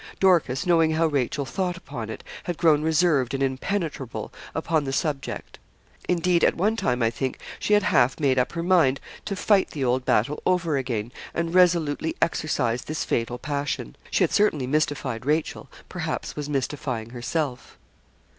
Dorcas, knowing how Rachel thought upon it, had grown reserved and impenetrable upon the subject; indeed, at one time, I think, she had half made up her mind to fight the old battle over again and resolutely exercise this fatal passion. She had certainly mystified Rachel, perhaps was mystifying herself.